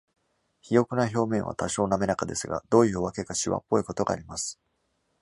肥沃な表面は多少滑らかですが、どういう訳かしわっぽいことがあります。